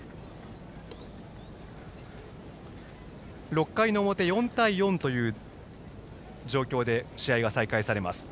６回の表、４対４という状況で試合が再開されます。